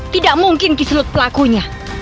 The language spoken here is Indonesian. tidak mungkin kiselut pelakunya